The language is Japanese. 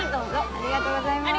ありがとうございます。